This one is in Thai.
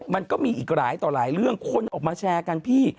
มันก็มีอีกหลายต่อหลายเรื่องคนออกมาแชร์กันพี่